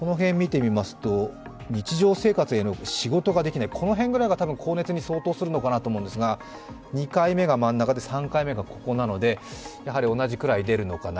日常生活への、仕事ができない、この辺ぐらいが高熱に相当するのかなと思うんですが、２回目が真ん中で３回目がここなので同じくらい出るのかな。